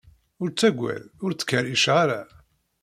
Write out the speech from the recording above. Ur ttaggad, ur ttkerriceɣ ara.